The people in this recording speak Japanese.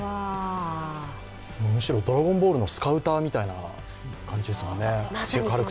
面白い、「ドラゴンボール」のスカウターみたいな感じですね。